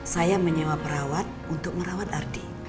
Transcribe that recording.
saya menyewa perawat untuk merawat ardi